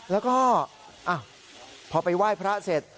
แล้วก็พอไปไหว้พระเสร็จ